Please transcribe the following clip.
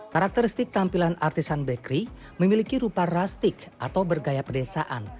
karakteristik tampilan artisan bakery memiliki rupa rustic atau bergaya pedesaan